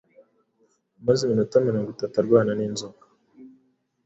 Yamaze iminota mirongo itatu arwana n’inzoka